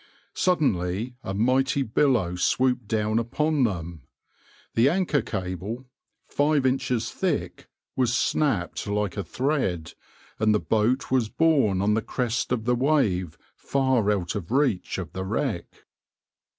Suddenly a mighty billow swooped down upon them. The anchor cable 5 inches thick was snapped like a thread, and the boat was borne on the crest of the wave far out of reach of the wreck.